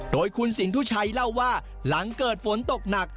โดยคุณสินทุชัยเล่าว่าหลังเกิดฝนตกหนัก